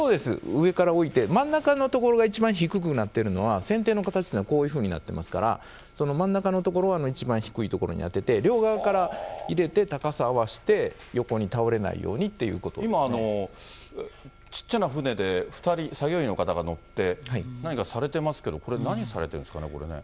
上から置いて、真ん中のところが一番低くなってるのは、船底の形っていうのは、こういうふうになっていますから、その真ん中の所を一番低いところにあてて、両側から入れて、高さを合わせて、今、小っちゃな船で２人、作業員の方が乗って、何かされてますけど、これ、何されてるんですかね、これね。